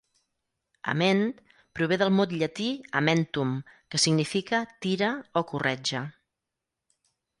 "Ament" prové del mot llatí "amentum", que significa "tira" o "corretja".